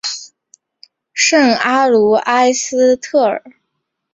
圣阿卢埃斯特尔。